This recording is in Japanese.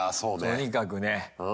とにかくね。